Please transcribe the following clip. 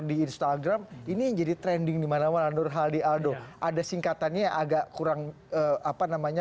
di instagram ini jadi trending dimana mana nur hadi aldo ada singkatannya agak kurang apa namanya